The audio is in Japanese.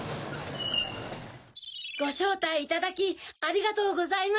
ごしょうたいいただきありがとうございます。